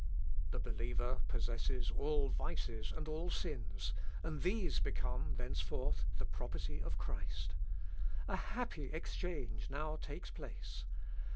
The believer possesses all vices and all sins, and these become, thenceforth, the property of Christ. A happy exchange now takes place.